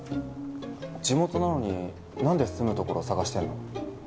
地元なのになんで住む所探してんの？